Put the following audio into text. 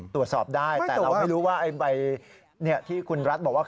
ตรวจสอบได้แต่เราไม่รู้ว่าใบที่คุณรัฐบอกว่า